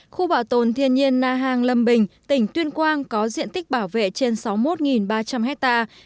khu bảo tồn thiên nhiên na hàng lâm bình tỉnh tuyên quang có diện tích bảo vệ trên sáu mươi một ba trăm linh hectare